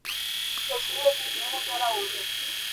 Cecilia Virginia de Souza Araújo